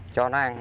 cho nó ăn